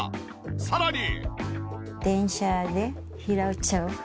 さらに！